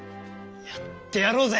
やってやろうぜ！